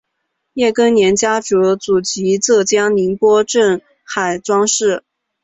叶庚年家族祖籍浙江宁波镇海庄市。